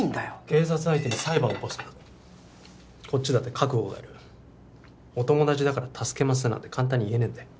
警察相手に裁判起こすんだぞこっちだって覚悟がいるお友達だから助けますなんて簡単に言えねえんだよ